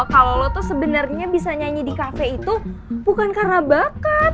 kalau lo tuh sebenarnya bisa nyanyi di kafe itu bukan karena bakat